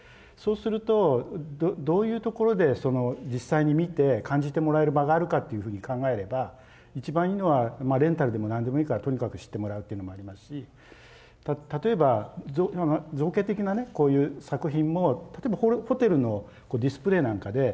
するとどういうところでその実際に見て感じてもらえる場があるかというふうに考えれば一番いいのはレンタルでも何でもいいからとにかく知ってもらうというのもありますし例えば造形的なねこういう作品も例えばホテルのディスプレーなんかで替えながらみたいなね。